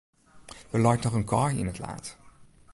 Der leit noch in kaai yn it laad.